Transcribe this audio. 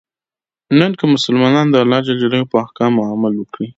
نن که مسلمانان د الله ج په احکامو عمل وکړي.